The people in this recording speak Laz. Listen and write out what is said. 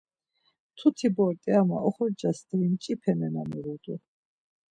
Mtuti bort̆i ama oxorca steri mç̌ipe nena miğut̆u.